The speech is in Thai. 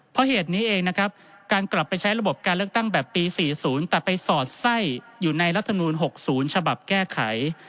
เพราะเหตุนี้เองนะครับการกลับไปใช้ระบบการเลือกตั้งแบบปี๔๐แต่ไปสอดไส้อยู่ในรัฐมนูล๖๐ฉบับแก้ไข